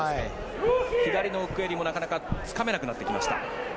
左の奥襟もなかなかつかめなくなってきました。